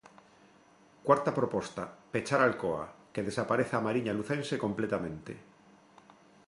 Cuarta proposta: pechar Alcoa; que desapareza a Mariña lucense completamente.